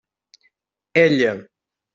Ella!